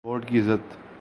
Vote کی عزت۔